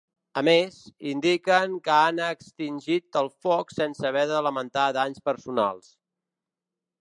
A més, indiquen que han extingit el foc sense haver de lamentar danys personals.